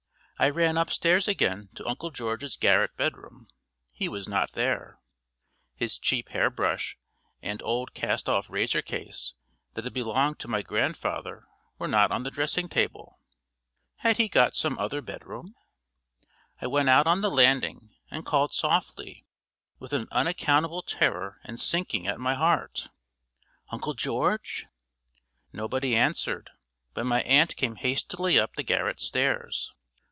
I ran upstairs again to Uncle George's garret bedroom he was not there; his cheap hairbrush and old cast off razor case that had belonged to my grandfather were not on the dressing table. Had he got some other bedroom? I went out on the landing and called softly, with an unaccountable terror and sinking at my heart: "Uncle George!" Nobody answered; but my aunt came hastily up the garret stairs.